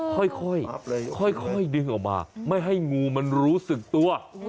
ค่อยดึงออกมาไม่ให้งูมันรู้สึกตัว